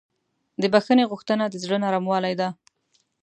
د بښنې غوښتنه د زړه نرموالی ده.